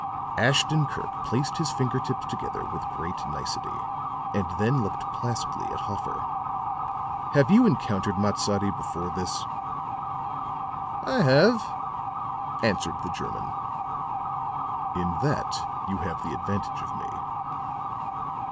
Ashton Kirk placed his finger tips together with great nicety, and then looked placidly at Hoffer. "Have you encountered Matsadi before this?" "I have," answered the German. "In that you have the advantage of me.